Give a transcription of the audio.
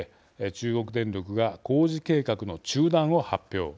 中国電力が工事計画の中断を発表。